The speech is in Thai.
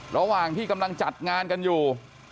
ระหว่างที่กำลังจัดงานกันอยู่